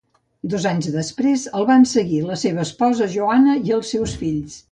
Dos anys després, el van seguir la seva esposa Johanna i els seus fills.